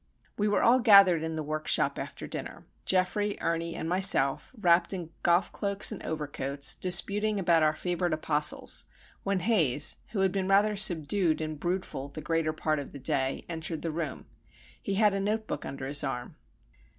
We were all gathered in the workshop after dinner, Geoffrey, Ernie, and myself, wrapped in golf cloaks and overcoats, disputing about our favourite apostles, when Haze, who had been rather subdued and "broodful" the greater part of the day, entered the room. He had a notebook under his arm.